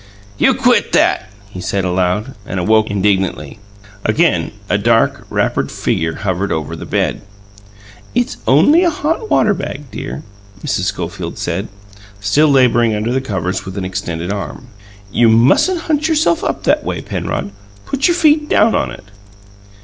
"You QUIT that!" he said aloud, and awoke indignantly. Again a dark, wrappered figure hovered over the bed. "It's only a hot water bag, dear," Mrs. Schofield said, still labouring under the covers with an extended arm. "You mustn't hunch yourself up that way, Penrod. Put your feet down on it."